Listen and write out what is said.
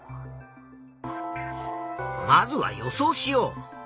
まずは予想しよう。